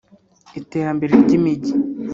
iterambere ry’imijyi